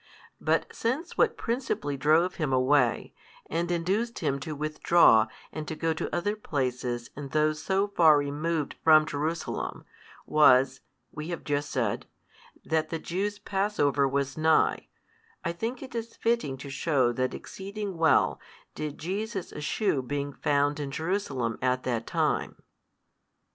But since what principally drove Him away, and induced Him to withdraw and to go to other places and those so far removed from Jerusalem, was (we have just said) that the Jews' Passover was nigh, I think |314 it fitting to shew that exceeding well did Jesus eschew being found in Jerusalem at that time.